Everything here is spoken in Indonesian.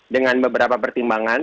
dengan beberapa pertimbangan